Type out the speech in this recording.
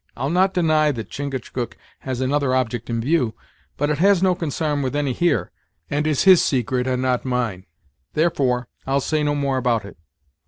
I'll not deny that Chingachgook has another object in view, but it has no consarn with any here, and is his secret and not mine; therefore I'll say no more about it."